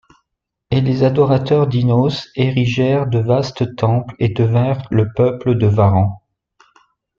Et les adorateurs d'Innos érigèrent de vastes temples et devinrent le peuple de Varant.